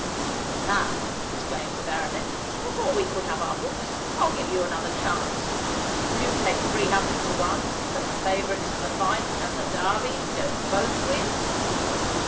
"And now," exclaimed the baronet, "before we put up our books, I'll give you another chance. Will you take three hundred to one that the favourites for the fight and the Derby don't both win?"